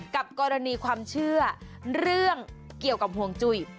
กับกรณีความเชื่อเรื่องเกี่ยวกับห่วงจุ้ย